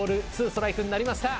２ストライクになりました。